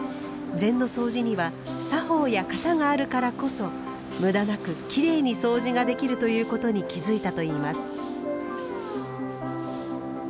禅のそうじには「作法や型があるからこそ無駄なくきれいにそうじができる」ということに気付いたといいます。